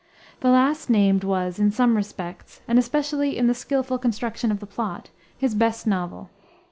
The last named was, in some respects, and especially in the skillful construction of the plot, his best novel.